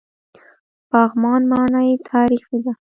پغمان ماڼۍ تاریخي ده؟